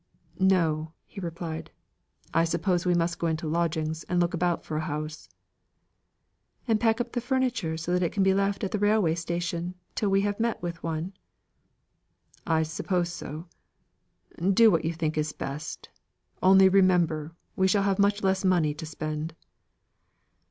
"No," he replied, "I suppose we must go into lodgings, and look about for a house." "And pack up the furniture so that it can be left at the railway station, till we have met with one?" "I suppose so. Do what you think best. Only remember, we shall have much less money to spend."